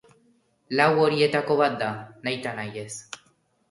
Lau horietako bat da, nahitaez.